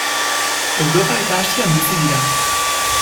Europa eta Asian bizi dira.